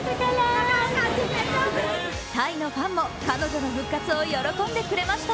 タイのファンも彼女の復活を喜んでくれました。